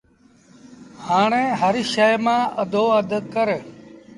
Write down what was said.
هآڻي هر شئي مآݩ اڌو اد ڪر